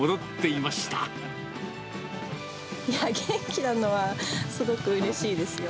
いや、元気なのは、すごくうれしいですよ。